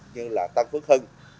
như là tân phước hưng